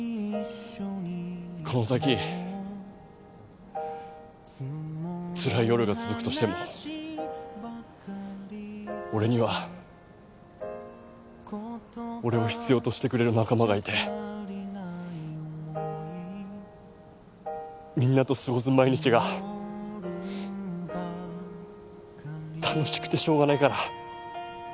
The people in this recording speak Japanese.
この先つらい夜が続くとしても俺には俺を必要としてくれる仲間がいてみんなと過ごす毎日が楽しくてしょうがないから。